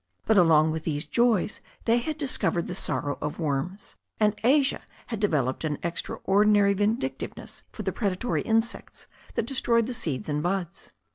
But along with these joys they had discovered the sorrow of worms, and Asia had developed an extraordinary vindic tiveness for the predatory insects that destroyed the seeds and buds.